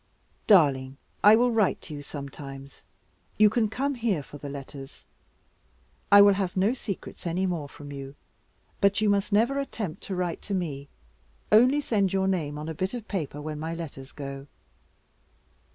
"Darling, I will write to you sometimes. You can come here for the letters. I will have no secrets any more from you; but you must never attempt to write to me only send your name on a bit of paper when my letters go."